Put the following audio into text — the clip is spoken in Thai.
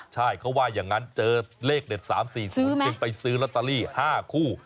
ใช่เขาว่าอย่างนั้นเจอเลขเด็ด๓๔๐จึงไปซื้อลอตเตอรี่๕คู่